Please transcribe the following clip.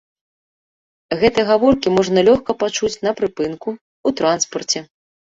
Гэтыя гаворкі можна лёгка пачуць на прыпынку, у транспарце.